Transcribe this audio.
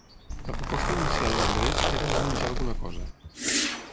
La proposta inicial d'Andrés era anar a menjar alguna cosa.